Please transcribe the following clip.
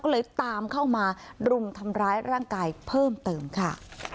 ก็เลยตามเข้ามารุมทำร้ายร่างกายเพิ่มเติมค่ะ